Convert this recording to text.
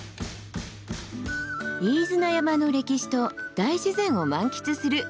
飯縄山の歴史と大自然を満喫する山旅。